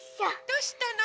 どうしたの？